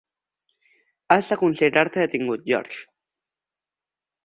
Has de considerar-te detingut, George.